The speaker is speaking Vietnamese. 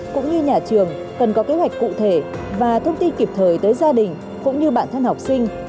cũng như nhà trường cần có kế hoạch cụ thể và thông tin kịp thời tới gia đình cũng như bản thân học sinh